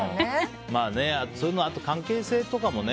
そういうのは関係性とかもね。